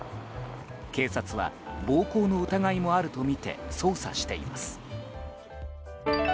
警察は、暴行の疑いもあるとみて捜査しています。